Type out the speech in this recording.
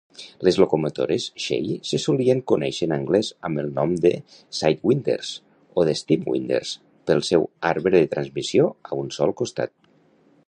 Les locomotores Shay se solien conèixer en anglès amb el nom de "sidewinders" o "stemwinders" pel seu arbre de transmissió a un sol costat.